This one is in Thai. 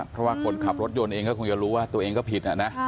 เพราะว่าคนขับรถยนต์เองก็คงจะรู้ว่าตัวเองก็ผิดนะ